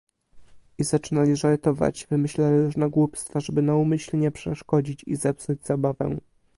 "I zaczynali żartować, wymyślali różne głupstwa, żeby naumyślnie przeszkodzić i zepsuć zabawę."